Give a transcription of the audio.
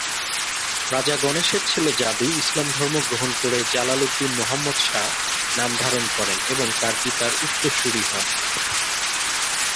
রাজা গণেশের ছেলে যাদু ইসলাম ধর্ম গ্রহণ করে জালাল উদ্দীন মোহাম্মদ শাহ নাম ধারণ করেন এবং তার পিতার উত্তরসুরি হন।